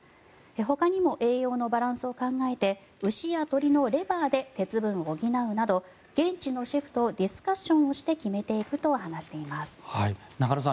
ほかにも栄養のバランスを考えて牛や鶏のレバーで鉄分を補うなど現地のシェフとディスカッションして決めていくと話しています。